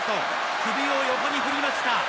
首を横に振りました。